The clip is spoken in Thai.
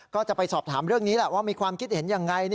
ก็จะไปสอบถามเรื่องนี้แหละว่ามีความคิดเห็นอย่างไร